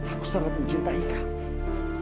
aku sangat mencintai kamu